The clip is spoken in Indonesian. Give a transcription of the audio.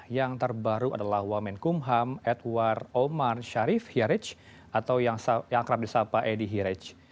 yang terbaru adalah wamen kumham edward omar sharif hiric atau yang kerap disapa edi hiric